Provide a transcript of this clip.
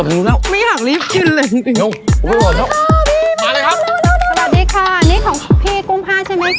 ตัวหนึ่งเลยค่ะพี่มาครับเร็วนี้ของพี่กุ้ง๕ใช่ไหมคะ